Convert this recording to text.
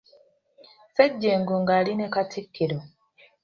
Ssejjengo ng'ali ne Katikkiro.